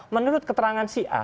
menurut keterangan si a